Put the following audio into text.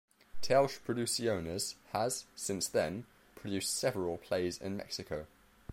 Telch Producciones has, since then, produced several plays in Mexico.